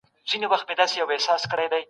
په دې اوږده دوره کي ټولنيزو نظريو وده ونه کړه.